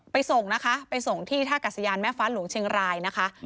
ส่งนะคะไปส่งที่ท่ากัศยานแม่ฟ้าหลวงเชียงรายนะคะ